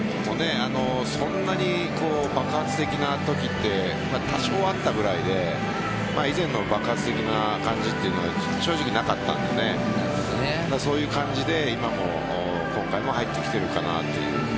そんなに爆発的なときは多少あったぐらいで以前の爆発的な感じというのは正直なかったのでそういう感じで今回も入ってきているかなという。